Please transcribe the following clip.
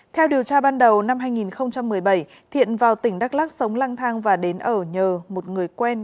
theo điều tra ban đầu năm hai nghìn một mươi bảy thiện vào tỉnh đắk lắc sống lang thang và đến ở nhờ một người quen